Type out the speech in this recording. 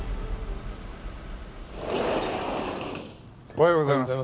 おはようございます。